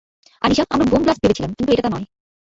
আনিশা, আমরা বোমব্লাস্ট ভেবেছিলাম কিন্তু এটা তা নয়।